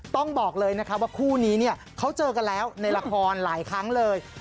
ต้องบอกเลยนะคะว่าคู่นี้เนี่ยเขาเจอกันแล้วในละครหลายครั้งเลย